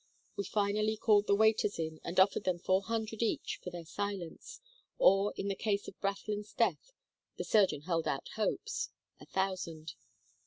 We finally called the waiters in and offered them four hundred each for their silence, or in the case of Brathland's death the surgeon held out hopes a thousand.